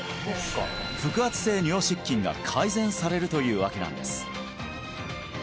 腹圧性尿失禁が改善されるというわけなんです